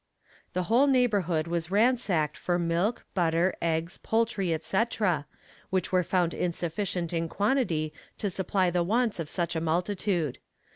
The whole neighborhood was ransacked for milk, butter, eggs, poultry, etc. which were found insufficient in quantity to supply the wants of such a multitude.